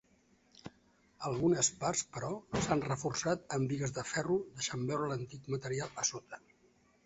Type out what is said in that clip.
Algunes parts però s’han reforçat amb bigues de ferro deixant veure l’antic material a sota.